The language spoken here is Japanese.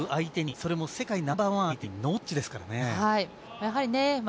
中国相手に、それも世界ナンバーワン相手にノータッチですから。